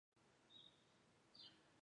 冲绳县的县名取自于冲绳本岛。